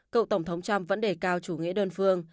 cựu tổng thống trump vẫn đề cao chủ nghĩa đơn phương